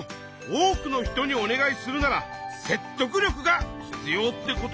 多くの人にお願いするなら説得力が必要ってことか。